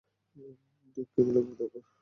Decaf লাগবে কারো?